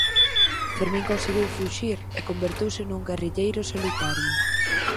Fermín conseguiu fuxir e converteuse nun guerrilleiro solitario.